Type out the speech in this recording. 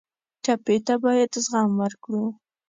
ټپي ته باید زغم ورکړو.